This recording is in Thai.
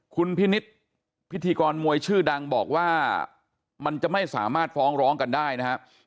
คุณพินิษฐ์พิธีกรมวยชื่อดังบอกว่ามันจะไม่สามารถฟ้องร้องกันได้นะครับ